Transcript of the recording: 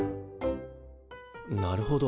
なるほど。